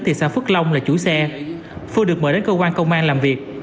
thị xã phước long là chủ xe phương được mời đến cơ quan công an làm việc